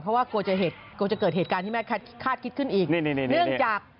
เพราะว่ากลัวจะเกิดเหตุการณ์ที่แม่คาดคิดขึ้นอีก